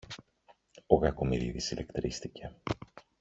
Ο Κακομοιρίδης ηλεκτρίστηκε.